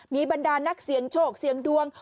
มีบรรดานักเสี่ยงโชคเสี่ยงดวง